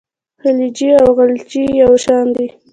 خلجي او غلجي یو شان دي.